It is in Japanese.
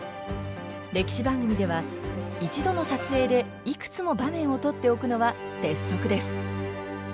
歴史番組では一度の撮影でいくつも場面を撮っておくのは鉄則です。